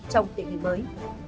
trong tình hình mới